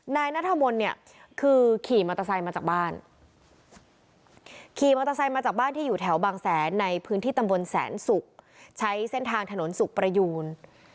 นายนัทมนต์เนี่ยคือขี่มอเตอร์ไซค์มาจากบ้านขี่มอเตอร์ไซค์มาจากบ้านที่อยู่แถวบางแสนในพื้นที่ตำบลแสนศุกร์ใช้เส้นทางถนนสุขประยูน